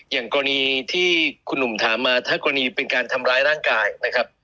อย่างกรณีที่คุณหนุ่มถามมาถ้ากรณีเป็นการทำร้ายร่างกายนะครับ